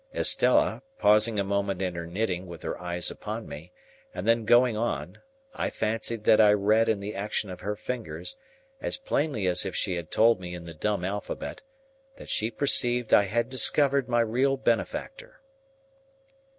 Estella, pausing a moment in her knitting with her eyes upon me, and then going on, I fancied that I read in the action of her fingers, as plainly as if she had told me in the dumb alphabet, that she perceived I had discovered my real benefactor.